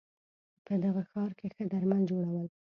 په دغه ښار کې ښه درمل جوړول